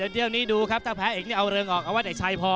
เดี๋ยวนี้ดูครับถ้าแพ้เอกนี่เอาเริงออกเอาวัดไอ้ชัยพอ